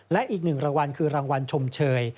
และอีก๑รางวัลคือรางวัลชมเชย